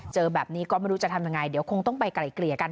เจอแบบนี้ก็ไม่รู้จะทำยังไงเดี๋ยวคงต้องไปไกลเกลี่ยกัน